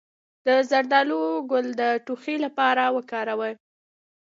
د زردالو ګل د ټوخي لپاره وکاروئ